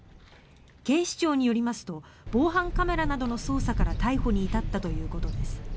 警視庁によりますと防犯カメラなどの捜査から逮捕に至ったということです。